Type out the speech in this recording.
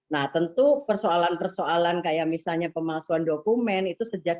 nah tentu persoalan persoalan kayak misalnya pemalsuan dokumen itu sejak